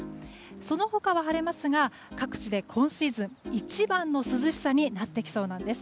その他は晴れますが各地で今シーズン一番の涼しさになってきそうなんです。